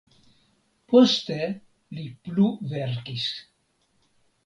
Poste li plu verkis.